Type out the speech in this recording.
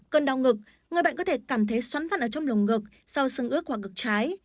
cơn đau ngực người bệnh có thể cảm thấy xoắn rắn ở trong lồng ngực sau sưng ước hoặc ngực trái